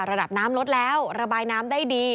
ระดับน้ำลดแล้วระบายน้ำได้ดี